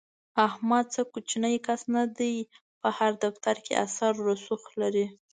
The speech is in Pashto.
احمد څه کوچنی کس نه دی، په هر دفتر کې اثر رسوخ لري.